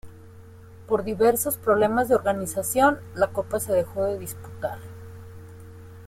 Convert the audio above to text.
Por diversos problemas de organización la copa se dejó de disputar.